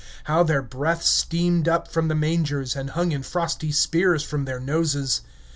How their breath steamed up from the mangers, and hung in frosty spears from their noses.